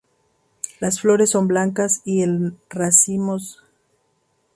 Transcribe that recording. Las flores son blancas y en racimos.